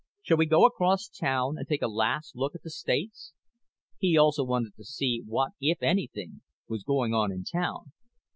"Shall we go across town and take a last look at the States?" He also wanted to see what, if anything, was going on in town.